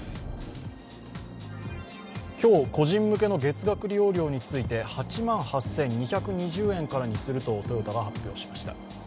今日個人向けの月額利用料について８万８２２０円にするとトヨタが発表しました。